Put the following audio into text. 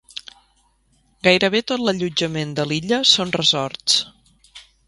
Gairebé tot l'allotjament de l'illa són resorts.